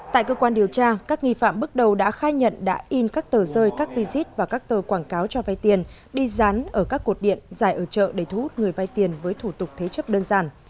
tại cơ quan điều tra các nghi phạm bước đầu đã khai nhận đã in các tờ rơi các visit và các tờ quảng cáo cho vai tiền đi rán ở các cột điện giải ở chợ để thú người vai tiền với thủ tục thế chấp đơn giản